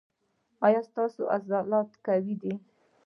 ایا ستاسو عضلات قوي دي؟